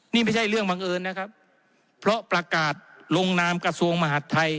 นี่ไม่ใช่เรื่องบังเอิญนะครับเพราะประกาศลงนามกระทรวงมหาดไทย